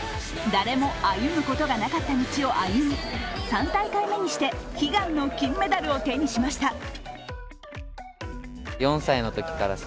誰も歩むことがなかった道を歩み３大会目にして、悲願の金メダルを手にしました。